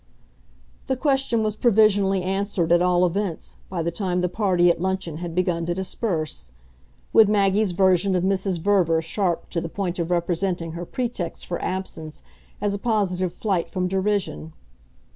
The question was provisionally answered, at all events, by the time the party at luncheon had begun to disperse with Maggie's version of Mrs. Verver sharp to the point of representing her pretext for absence as a positive flight from derision.